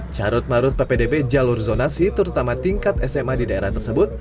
carut marut ppdb jalur zonasi terutama tingkat sma di daerah tersebut